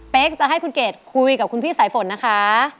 จะให้คุณเกดคุยกับคุณพี่สายฝนนะคะ